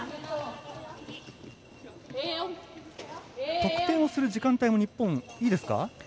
得点をする時間帯も日本いいですか？